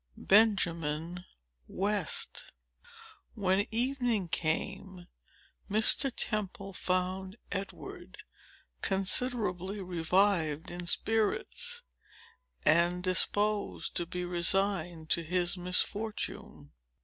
Chapter II When evening came, Mr. Temple found Edward considerably revived in spirits, and disposed to be resigned to his misfortune.